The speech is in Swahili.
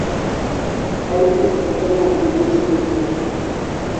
Zaidi kutoka dola milioni ishirini na tisa